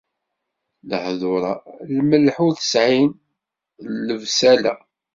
Lehdur-a, lmelḥ ur t-sɛin, d lebsala